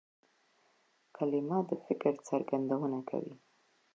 کلیمه د فکر څرګندونه کوي.